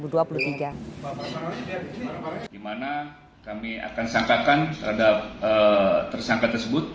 dimana kami akan sangkakan terhadap tersangka tersebut